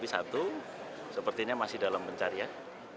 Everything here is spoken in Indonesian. sepertinya masih dalam pencarian